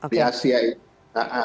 di asia itu